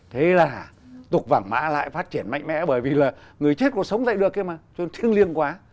thế là tục vảng mã lại phát triển mạnh mẽ bởi vì là người chết còn sống dạy được kia mà tôi thương liêng quá